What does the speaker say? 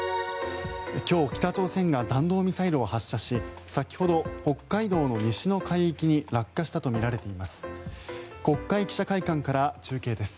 今日、北朝鮮が弾道ミサイルを発射し先ほど、北海道の西の海域に落下したとみられています。